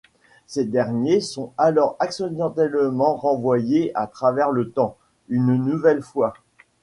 Ces derniers sont alors accidentellement renvoyés à travers le temps, une nouvelle fois.